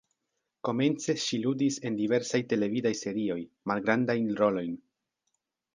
Komence ŝi ludis en diversaj televidaj serioj, malgrandajn rolojn.